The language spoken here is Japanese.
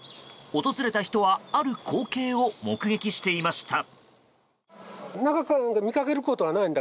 訪れた人はある光景を目撃していました。